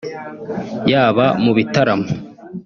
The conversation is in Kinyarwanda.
yaba mu bitaramo